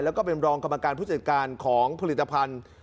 แล้วก็เป็นรองกรรมการผู้จัดการของผลิตภัณฑ์